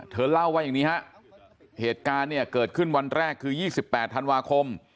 เธอเล่าว่าอย่างนี้ฮะเหตุการณ์เนี่ยเกิดขึ้นวันแรกคือ๒๘ธันวาคม